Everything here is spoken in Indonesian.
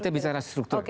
kita bicara struktur